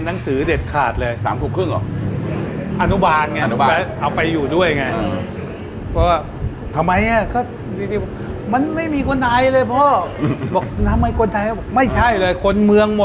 จริงเขาคือกนไทยแต่พูดภาษาเข้าเมือง